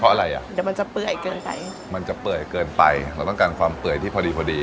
เพราะอะไรอ่ะเดี๋ยวมันจะเปื่อยเกินไปมันจะเปื่อยเกินไปเราต้องการความเปื่อยที่พอดีพอดี